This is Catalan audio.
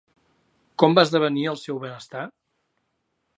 Com va esdevenir el seu benestar?